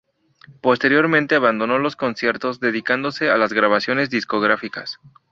Posteriormente abandonó los conciertos, dedicándose a las grabaciones discográficas.